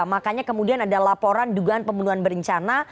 makanya kemudian ada laporan dugaan pembunuhan berencana